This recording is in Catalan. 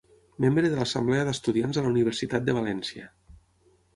Membre de l'Assemblea d'Estudiants a la Universitat de València.